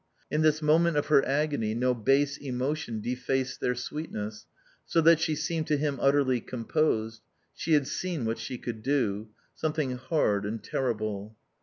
In this moment of her agony no base emotion defaced their sweetness, so that she seemed to him utterly composed. She had seen what she could do. Something hard and terrible.